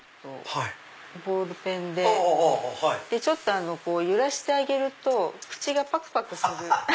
ちょっと揺らしてあげると口がパクパクする。